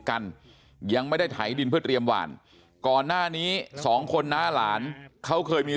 กันยังไม่ได้ไถดินเพื่อเตรียมหวานก่อนหน้านี้สองคนน้าหลานเขาเคยมี